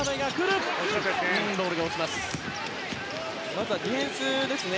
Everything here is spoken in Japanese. まずはディフェンスですね。